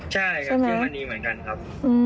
ใช่ครับจะมาหนีเหมือนกันครับ